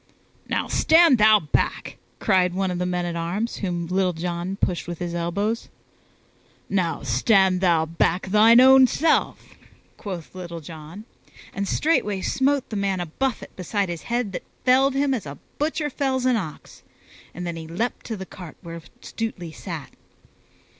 "Now stand thou back!" cried one of the men at arms whom Little John pushed with his elbows. "Now stand thou back thine own self," quoth Little John, and straightway smote the man a buffet beside his head that felled him as a butcher fells an ox, and then he leaped to the cart where Stutely sat.